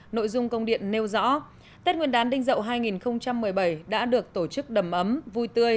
nội dung công điện nêu rõ tết nguyên đán đinh dậu hai nghìn một mươi bảy đã được tổ chức đầm ấm vui tươi